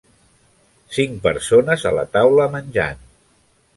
Cinc persones a la taula menjant.